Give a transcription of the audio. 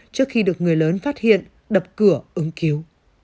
trước khi được người lớn phát hiện đập cửa ứng cứu